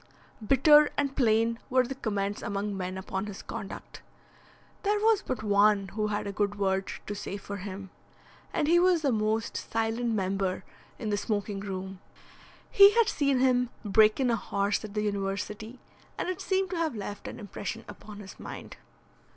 Bitter and plain were the comments among men upon his conduct. There was but one who had a good word to say for him, and he was the most silent member in the smoking room. He had seen him break in a horse at the university, and it seemed to have left an impression upon his mind.